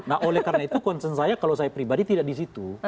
nah oleh karena itu concern saya kalau saya pribadi tidak di situ